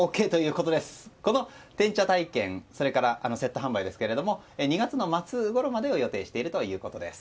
この点茶体験それからセット販売ですけれども２月の末ごろまでを予定しているということです。